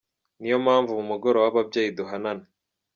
Niyo mpamvu mu mugoroba w’ababyeyi duhanana….